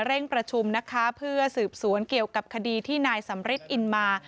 ประชุมนะคะเพื่อสืบสวนเกี่ยวกับคดีที่นายสำริทอินมา